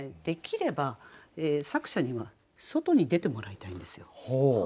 できれば作者には外に出てもらいたいんですよ。